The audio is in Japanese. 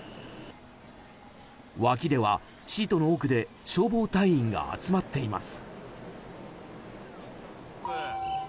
脇では、シートの奥で消防隊員が集まっています。